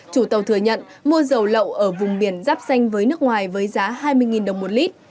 chủ tàu thừa nhận mua dầu lậu ở vùng biển giáp xanh với nước ngoài với giá hai mươi đồng một lít